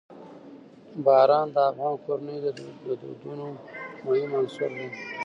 باران د افغان کورنیو د دودونو مهم عنصر دی.